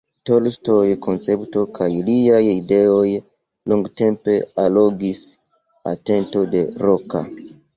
Tolstoj koncepto kaj liaj ideoj longtempe allogis atenton de Roka.